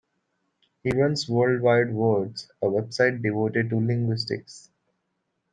He runs World Wide Words, a website devoted to linguistics.